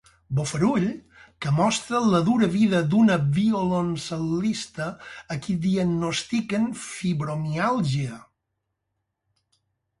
Bofarull que mostra la dura vida d'una violoncel·lista a qui diagnostiquen fibromiàlgia.